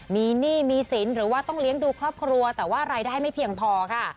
มีหนี้มีสินหรือว่าต้องเลี้ยงดูครอบครัวแต่ว่ารายได้ไม่เพียงพอค่ะ